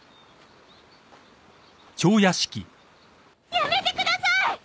やめてください！